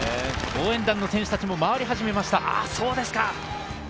応援団の選手たちも回り始めました。